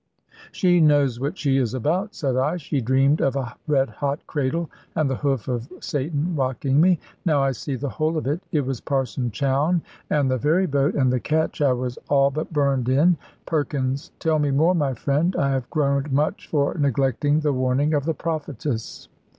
"She knows what she is about," said I; "she dreamed of a red hot cradle, and the hoof of Satan rocking me. Now I see the whole of it. It was Parson Chowne, and the ferry boat, and the ketch I was all but burned in. Perkins, tell me more, my friend. I have groaned much for neglecting the warning of the prophetess."